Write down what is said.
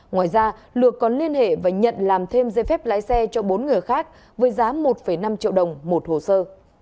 ngoài ra lược còn liên hệ và nhận làm thêm dây phép lái xe cho bốn người khác với giá một năm triệu đồng một hồ sơ